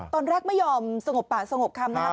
ตอนแรกไม่ยอมสงบป่าสงบคำนะครับ